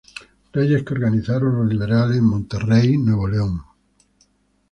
Reyes, que organizaron los liberales en Monterrey, Nuevo León.